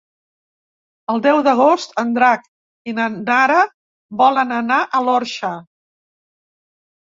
El deu d'agost en Drac i na Nara volen anar a l'Orxa.